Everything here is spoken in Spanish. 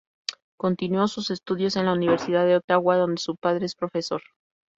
Continuó sus estudios en la Universidad de Ottawa, donde su padre es profesor.